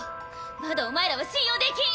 まだお前らは信用できん！